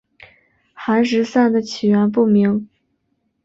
寒食散的起源不明。